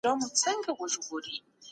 زکات د اسلامي ټولني بنسټ دی.